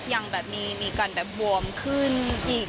ยังมีกันบวมขึ้นอีก